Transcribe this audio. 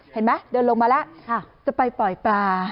เห็นไหมเดินลงมาแล้วจะไปปล่อยปลา